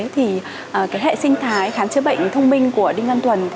thì hệ sinh thái khám chứa bệnh thông minh của đinh văn thuần